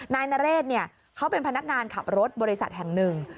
นายนเรศเขาเป็นพนักงานขับรถบริษัทแห่งหนึ่ง